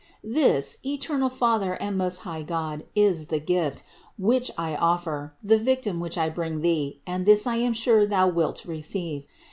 This, eternal Father and Most High God, is the gift, which I offer, the Victim which I bring Thee, and this I am sure Thou wilt receive.